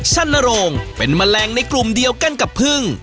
สั้นนโรงเป็นแมลงในกลุ่มเดียวกันกับพึ่ง